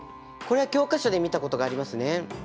これは教科書で見たことがありますね。